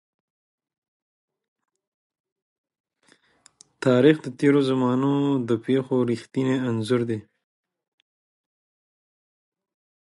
تاریخ د تېرو زمانو د پېښو رښتينی انځور دی.